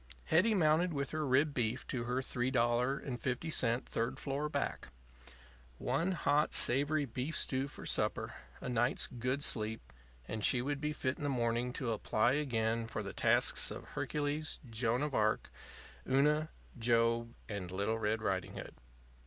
Hetty mounted with her rib beef to her $3.50 third floor back. One hot, savory beef stew for supper, a night's good sleep, and she would be fit in the morning to apply again for the tasks of Hercules, Joan of Arc, Una, Job, and Little Red Riding Hood.